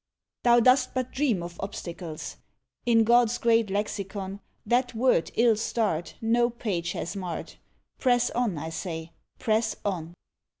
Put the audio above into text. Thou dost but dream of obstacles; In God's great lexicon, That word illstarred, no page has marred; Press on, I say, press on.